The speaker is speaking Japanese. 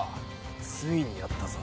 ついにやったぞ！